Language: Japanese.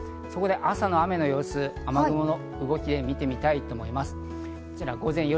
朝の雨の様子、雨雲の動きを見たいと思います。